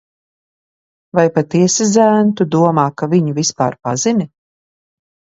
Vai patiesi, zēn, tu domā, ka viņu vispār pazini?